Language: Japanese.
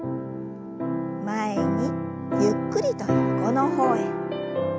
前にゆっくりと横の方へ。